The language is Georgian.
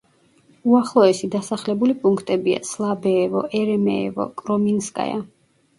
უახლოესი დასახლებული პუნქტებია: სლაბეევო, ერემეევო, კრომინსკაია.